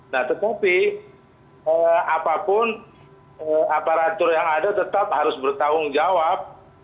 nah tetapi apapun aparatur yang ada tetap harus bertanggung jawab